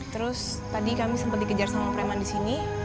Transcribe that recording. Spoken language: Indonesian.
terus tadi kami sempat dikejar sama preman di sini